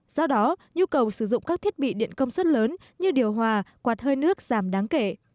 do đó nhu cầu sử dụng các thiết bị điện công suất lớn như điều hòa quạt hơi nước giảm đáng kể